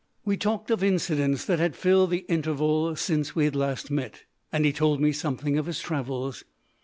We talked of incidents that had filled the interval since we last met, and he told me something of his travels.